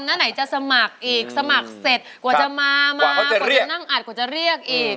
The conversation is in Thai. หน้าไหนจะสมัครอีกสมัครเสร็จกว่าจะมากว่าจะนั่งอัดกว่าจะเรียกอีก